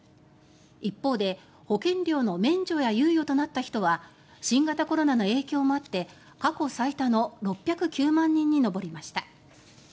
一方で、保険料の免除や猶予となった人は新型コロナの影響もあって過去最多の６０９万人に上りました。